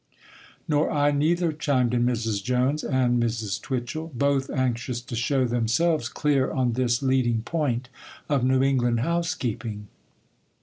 'Nor I, neither,' chimed in Mrs. Jones and Mrs. Twitchel,—both anxious to show themselves clear on this leading point of New England housekeeping.